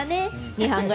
日本語